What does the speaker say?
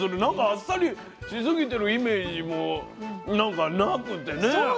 あっさりしすぎてるイメージもなんかなくてね。